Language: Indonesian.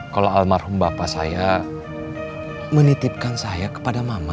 kalau almarhum bapak saya menitipkan saya kepada mama